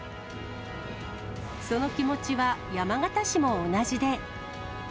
その気持ちは山形市も同じで。